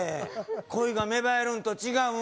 恋が芽生えるんと違うん？